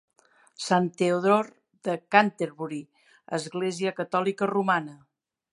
Sant Teodor de Canterbury, Església catòlica romana.